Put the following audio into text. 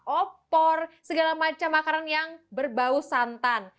opor segala macam makanan yang berbau santan